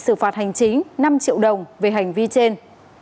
xử phạt hành chính năm triệu đồng về hành vi trên